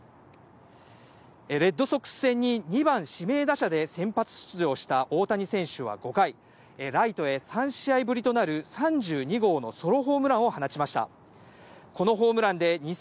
レッドソックス戦に２番・指名打者で先発出場した大谷選手は５回、ライトへ３試合ぶりとなる３２号のソロホームランを放ちました。